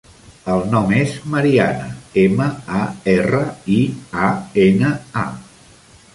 El nom és Mariana: ema, a, erra, i, a, ena, a.